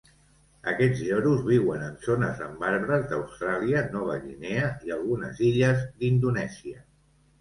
Aquests lloros viuen en zones amb arbres d'Austràlia, Nova Guinea i algunes illes d'Indonèsia.